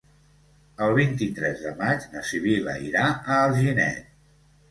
El vint-i-tres de maig na Sibil·la irà a Alginet.